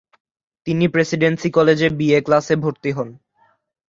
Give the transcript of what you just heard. তিনি প্রেসিডেন্সি কলেজে B A ক্লাসে ভর্তি হন।